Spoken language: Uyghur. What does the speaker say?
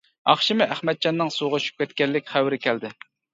ئاخشىمى ئەخمەتجاننىڭ سۇغا چۈشۈپ كەتكەنلىك خەۋىرى كەلدى.